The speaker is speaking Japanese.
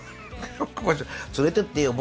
連れてってよ僕を。